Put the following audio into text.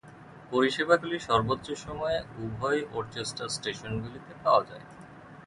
পরিষেবাগুলি সর্বোচ্চ সময়ে উভয় ওরচেস্টার স্টেশনগুলিতে পাওয়া যায়।